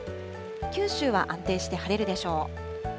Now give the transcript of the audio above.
九州は安定して晴れるでしょう。